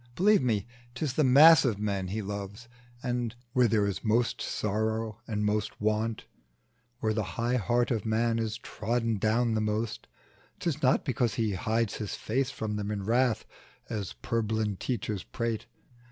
Believe it, 'tis the mass of men He loves; And, where there is most sorrow and most want, Where the high heart of man is trodden down The most, 'tis not because He hides his face From them in wrath, as purblind teachers prate.